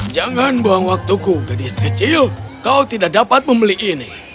jangan buang waktuku gadis kecil kau tidak dapat membeli ini